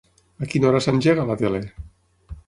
A quina hora s'engega la tele?